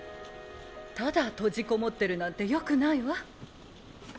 ただ閉じこもってるなんてよくないわ。